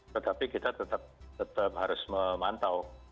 tetapi kita tetap harus memantau